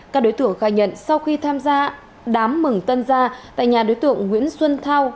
các đối tượng khai nhận sau khi tham gia đám mừng tân gia tại nhà đối tượng nguyễn xuân thao